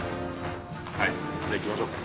はいじゃあ行きましょうか。